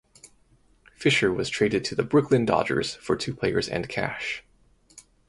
Fischer was traded to the Brooklyn Dodgers for two players and cash.